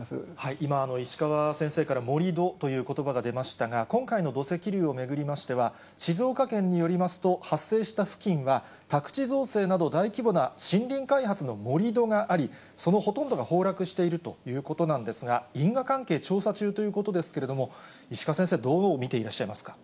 今、石川先生から盛り土ということばが出ましたが、今回の土石流を巡りましては、静岡県によりますと、発生した付近は、宅地造成など、大規模な森林開発の盛り土があり、そのほとんどが崩落しているということなんですが、因果関係、調査中ということなんですけれども、石川先生、どう見ていらっしゃいますか？